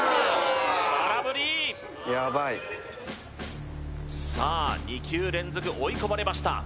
空振りさあ２球連続追い込まれました